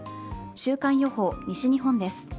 週間予報、西日本です。